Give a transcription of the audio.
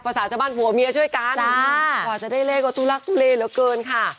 ภาษาชาวบ้านหัวเมียช่วยกันจ้ากว่าจะได้เลขกว่าตุลักษณ์ตุเลเหลือเกินค่ะ